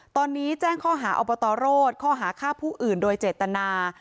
ตอนนี้แจ้งข้อหาอบตรโรศข้อหาฆ่าผู้อื่นโดยเจตนา